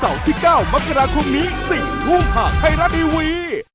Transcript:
เสาร์ที่๙มัฆราคมนี้๔ทุ่มห่างไทยรัทดีวี